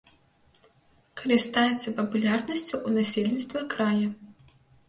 Карыстаецца папулярнасцю ў насельніцтва края.